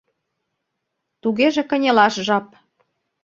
Тугеже кынелаш жап.